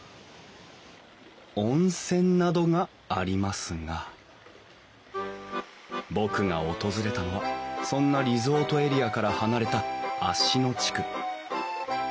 温泉などがありますが僕が訪れたのはそんなリゾートエリアから離れた芦野地区。